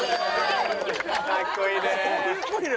かっこいいね。